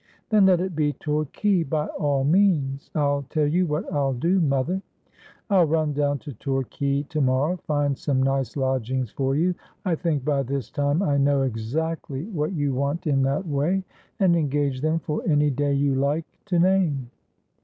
' Then let it be Torquay, by all means. I'll tell you what I'll do, mother. I'll run down to Torquay to morrow, find some nice lodgings for you — I think by this time I know exactly what you want in that way — and engage them for any day you like to name.'